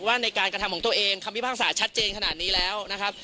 ในการกระทำของตัวเองคำพิพากษาชัดเจนขนาดนี้แล้วนะครับ